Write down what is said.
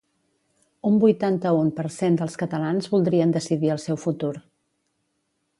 Un vuitanta-un per cent dels catalans voldrien decidir el seu futur